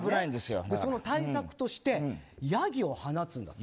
その対策としてヤギを放つの。